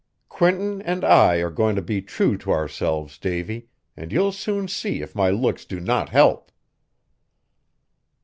Quinton and I are going to be true to ourselves, Davy, and you'll soon see if my looks do not help!"